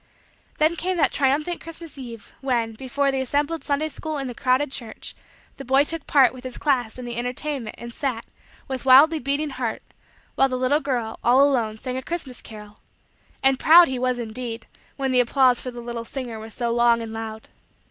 Then came that triumphant Christmas eve, when, before the assembled Sunday school and the crowded church, the boy took part, with his class, in the entertainment and sat, with wildly beating heart, while the little girl, all alone, sang a Christmas carol; and proud he was, indeed, when the applause for the little singer was so long and loud.